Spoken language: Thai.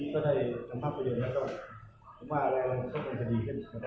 เขาจะ้มกว่าบอกที่ที่จะพาทิ้งผมได้ยังไง